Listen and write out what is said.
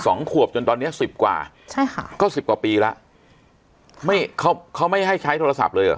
สองขวบจนตอนเนี้ยสิบกว่าใช่ค่ะก็สิบกว่าปีแล้วไม่เขาเขาไม่ให้ใช้โทรศัพท์เลยเหรอ